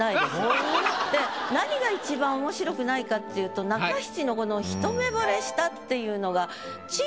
何が一番面白くないかっていうと中七のこの「一目惚れした」っていうのが。